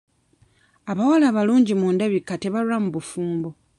Abawala abalungi mu ndabika tebalwa mu bufumbo.